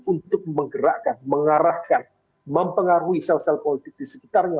untuk menggerakkan mengarahkan mempengaruhi sel sel politik di sekitarnya